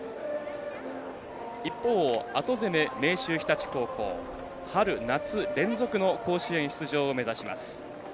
後攻め、明秀日立高校春夏連続の甲子園出場を目指します。